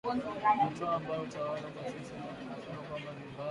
Hatua ambayo utawala wa sasa ulikataa na kusema kwamba ni mbaya.